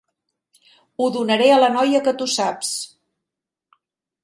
Ho donaré a la noia que tu saps.